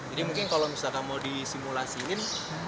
jadi mungkin kalau misalnya kamu disimulasiin